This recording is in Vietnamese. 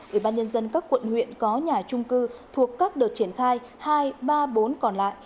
ủy ban nhân dân các quận huyện có nhà trung cư thuộc các đợt triển khai ii iii iv còn lại